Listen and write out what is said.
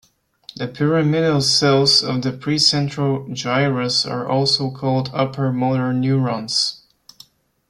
The pyramidal cells of the precentral gyrus are also called upper motor neurons.